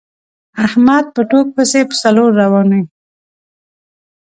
احمد په ټوک پسې په څلور روان وي.